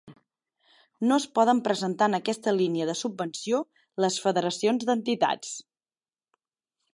No es poden presentar en aquesta línia de subvenció les federacions d'entitats.